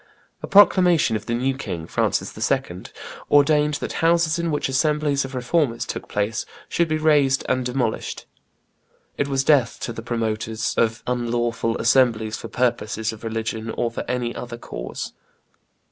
A proclamation of the new king, Francis II., ordained that houses in which assemblies of Reformers took place should be razed and demolished. It was death to the promoters of "unlawful assemblies for purposes of religion or for any other cause."